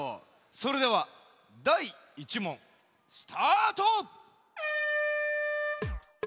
それではだい１もんスタート！